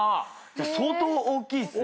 相当大きいっすね。